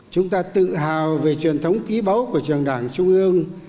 chúng ta tự hào về truyền thống ký báu của trường đảng trung ương